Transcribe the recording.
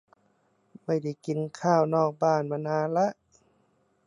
ไม่ได้กินข้าวนอกบ้านมานานละ